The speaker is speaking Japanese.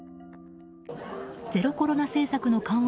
ゼロコロナ政策の緩和